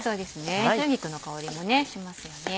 春菊の香りもしますよね。